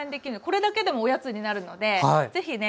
これだけでもおやつになるので是非ね